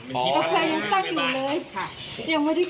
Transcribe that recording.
ไม่มีเงียบเสียงเงียบมาก